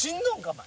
お前。